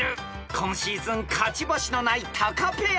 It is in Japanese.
［今シーズン勝ち星のないタカペア］